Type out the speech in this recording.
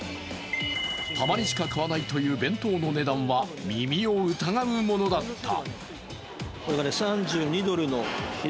たまにしか買わないという弁当の値段は耳を疑うものだった。